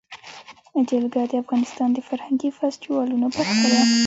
جلګه د افغانستان د فرهنګي فستیوالونو برخه ده.